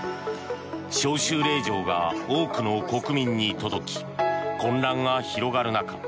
招集令状が多くの国民に届き混乱が広がる中